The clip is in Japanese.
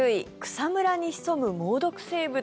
草むらに潜む猛毒